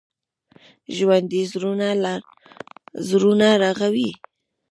ژوندي زړونه رغوي